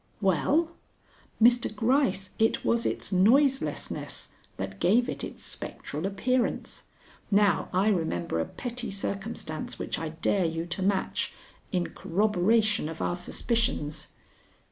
"Well?" "Mr. Gryce, it was its noiselessness that gave it its spectral appearance. Now I remember a petty circumstance which I dare you to match, in corroboration of our suspicions."